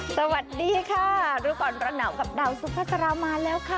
สวัสดีครับดูก่อนระหน่ากับดาวซุภาซาลามาแล้วค่ะ